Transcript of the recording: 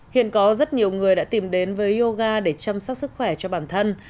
hiện có rất nhiều người đã tìm đến với yoga để chăm sóc sức khỏe cho bản thân